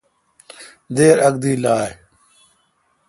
دیر اک دی لائ۔